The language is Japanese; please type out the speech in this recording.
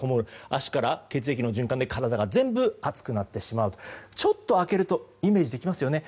足から血液の循環で体が全部熱くなってしまうちょっと開けるとイメージできますよね